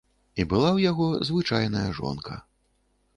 І была ў яго звычайная жонка.